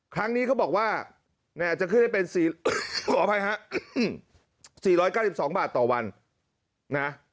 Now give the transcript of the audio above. ครั้งนี้เขาบอกว่าจะขึ้นให้เป็นขออภัยฮะ๔๙๒บาทต่อวันนะ